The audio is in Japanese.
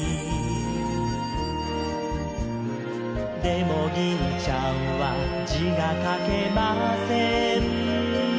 「でも銀ちゃんは字が書けません」